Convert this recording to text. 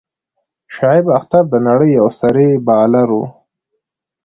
شعیب اختر د نړۍ یو سريع بالر وو.